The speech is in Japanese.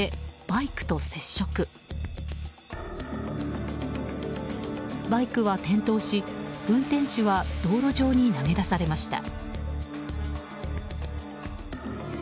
バイクは転倒し、運転手は道路上に投げ出されました。